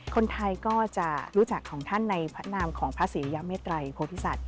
คนไทยก็จะรู้จักของท่านในพระนามของพระศรีริยเมตรัยโพธิสัตว